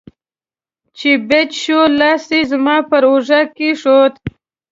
چې بچ شوې، لاس یې زما پر اوږه کېښود.